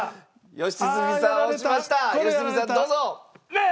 良純さんどうぞ！